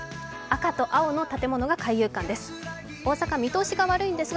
赤と青の建物が海遊館です。